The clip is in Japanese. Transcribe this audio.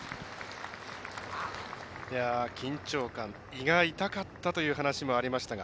緊張感、胃が痛かったという話がありました。